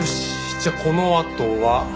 じゃあこのあとは。